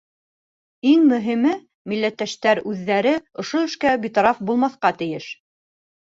Иң мөһиме — милләттәштәр үҙҙәре ошо эшкә битараф булмаҫҡа тейеш.